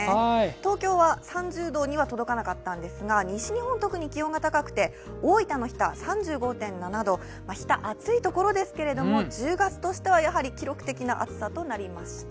東京は３０度には届かなかったんですが、西日本、特に気温が高くて、大分の日田３５．７度、日田は暑いところですけれども、１０月としては記録的な暑さとなりました。